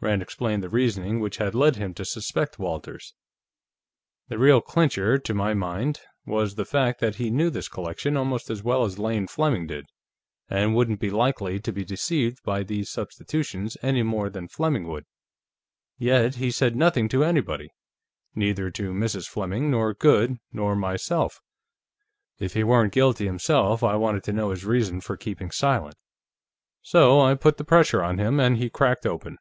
Rand explained the reasoning which had led him to suspect Walters. "The real clincher, to my mind, was the fact that he knew this collection almost as well as Lane Fleming did, and wouldn't be likely to be deceived by these substitutions any more than Fleming would. Yet he said nothing to anybody; neither to Mrs. Fleming, nor Goode, nor myself. If he weren't guilty himself, I wanted to know his reason for keeping silent. So I put the pressure on him, and he cracked open."